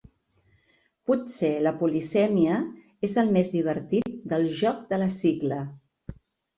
Potser la polisèmia és el més divertit del joc de la sigla.